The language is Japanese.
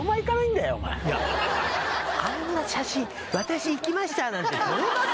あんな写真「私行きました」なんて撮れます？